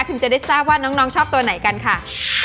จะได้ทราบว่าน้องชอบตัวไหนกันค่ะ